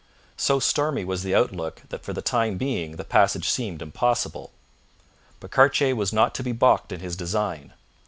So stormy was the outlook that for the time being the passage seemed impossible. But Cartier was not to be baulked in his design.